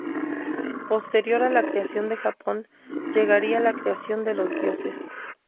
Posterior a la creación de Japón, llegaría la creación de los dioses.